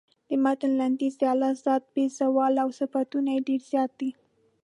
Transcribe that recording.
د متن لنډیز د الله ذات بې زواله او صفتونه یې ډېر زیات دي.